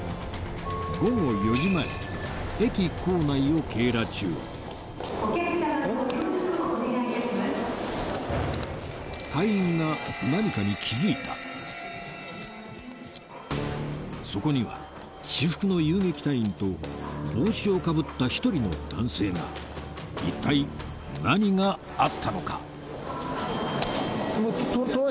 午後４時前駅構内を警ら中隊員が何かに気づいたそこには私服の遊撃隊員と帽子をかぶった一人の男性が一体何があったのか？